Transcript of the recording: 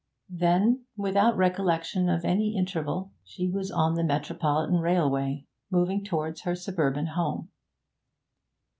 Then, without recollection of any interval, she was on the Metropolitan Railway, moving towards her suburban home.